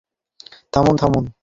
থামুন, থামুন।